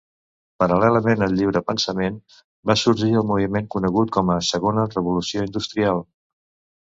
Paral·lelament al lliurepensament, va sorgir el moviment conegut com a segona revolució industrial.